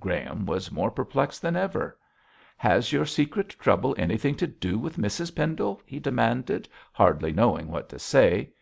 Graham was more perplexed than ever. 'Has your secret trouble anything to do with Mrs Pendle?' he demanded, hardly knowing what to say.